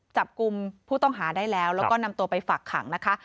จับกลุ่มผู้ต้องหาได้แล้วแล้วก็นำตัวไปฝากขังนะคะ